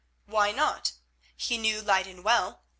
Why not? He knew Leyden well.